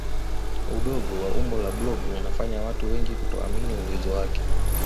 udogo wa umbo la blob unafanya watu wengi kutoamini uwezo wake